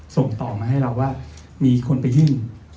ส่งต่อมาให้เราว่ามีคนไปยื่น